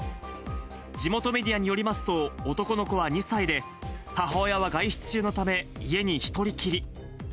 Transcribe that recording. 地元メディアによりますと、男の子は２歳で、母親は外出中のため、家に１人きり。